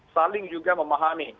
saling juga memahami